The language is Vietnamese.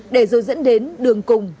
để rồi dẫn đến đường cùng